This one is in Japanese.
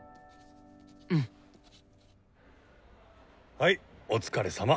はいお疲れさま。